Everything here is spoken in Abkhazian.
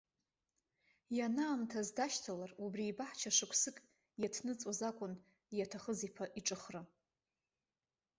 Ианаамҭаз дашьҭалар, убри ибаҳча шықәсык иаҭныҵуаз акәын иаҭахыз иԥа иҿыхра.